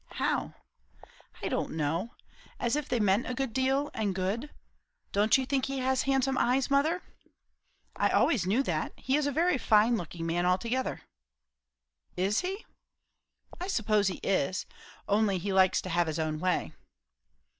"How?" "I don't know as if they meant a good deal, and good. Don't you think he has handsome eyes, mother?" "I always knew that. He is a very fine looking man altogether." "Is he? I suppose he is. Only he likes to have his own way."